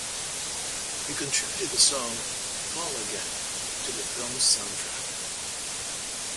He contributed the song "Fall Again" to the film's soundtrack.